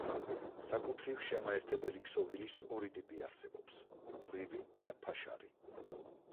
საკუთრივ შემაერთებელი ქსოვილის ორი ტიპი არსებობს: მკვრივი და ფაშარი.